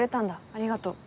ありがとう。